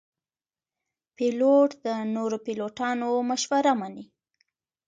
پیلوټ د نورو پیلوټانو مشوره مني.